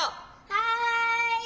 はい！